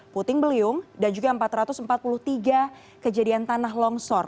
enam ratus empat belas puting beliung dan juga empat ratus empat puluh tiga kejadian tanah longsor